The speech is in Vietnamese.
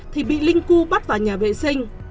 thì bị linh cưu bắt vào nhà vệ sinh